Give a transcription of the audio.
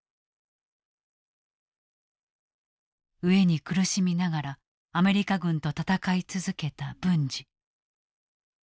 餓えに苦しみながらアメリカ軍と戦い続けた文次。